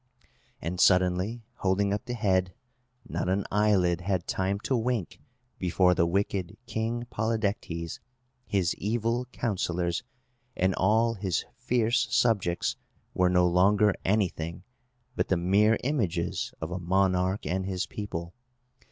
And, suddenly holding up the head, not an eyelid had time to wink before the wicked King Polydectes, his evil counsellors, and all his fierce subjects were no longer anything but the mere images of a monarch and his people.